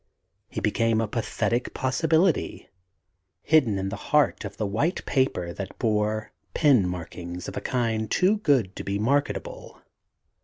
He became a pathetic possibility, hidden in the heart of the white paper that bore pen markings of a kind too good to be marketable.